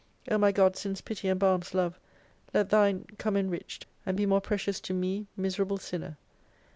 O my God since pity embalms love, let Thine come en riched, and be more precious to me, miserable Sinner.